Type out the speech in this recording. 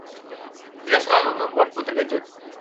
Dia selalu membuatku terkejut.